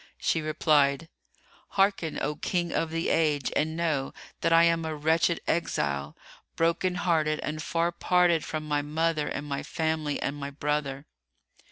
She replied, "Hearken, O King of the Age, and know that I am a wretched exile, broken hearted and far parted from my mother and my family and my brother."